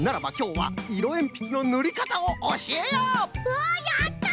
わっやった！